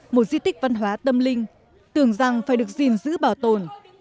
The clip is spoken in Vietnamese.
một di tích văn hóa tâm linh tưởng rằng phải được gìn giữ bảo tồn